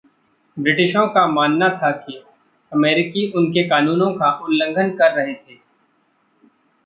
ब्रिटिशों का मानना था के अमरीकी उनके कानूनों का उल्लंघन कर रहे थे।